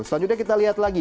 selanjutnya kita lihat lagi